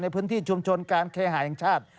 ในพื้นที่ชุมชนการเคหาแห่งชาติ